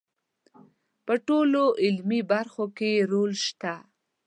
په ټولو علمي برخو کې یې رول شته.